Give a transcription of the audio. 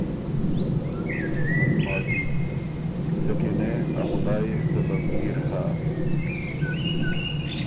ګلماتی ” سکینې! ا خدایٛ يې سببګیر هۀ۔